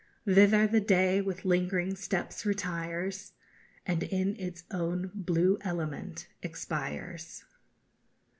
_ Thither the day with lingering steps retires, _And in its own blue element expires.